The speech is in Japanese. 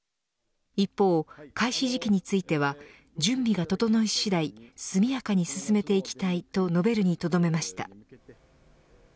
一方、開始時期については準備が整いしだい速やかに進めていきたいと述べるにとどめました。